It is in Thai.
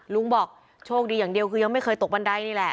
ลุงบอกโชคดีอย่างเดียวคือยังไม่เคยตกบันไดนี่แหละ